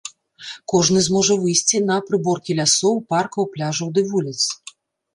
Кожны зможа выйсці на прыборкі лясоў, паркаў, пляжаў ды вуліц.